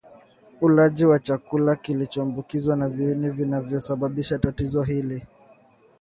Ulaji wa chakula kilichoambukizwa na viini vinavyosababisha tatizo hili